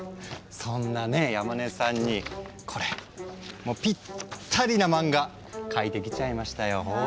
そんなね山根さんにこれもうぴったりな漫画描いてきちゃいましたよほら。